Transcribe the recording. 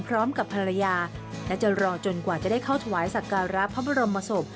พร้อมกับภรรยาและจะรอจนกว่าจะได้เข้าถวายสักการะพระบรมศพ